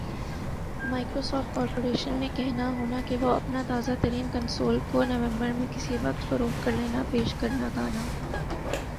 Microsoft corporation نے کہنا ہونا کہ وُہ اپنا تازہ ترین کنسول کو نومبر میں کِسی وقت فروخت کا لینا پیش کرنا گانا